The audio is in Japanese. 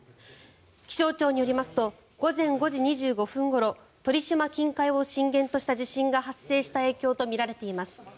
気象庁によりますと午前５時２５分ごろ鳥島近海を震源とした地震が発生した影響とみられています。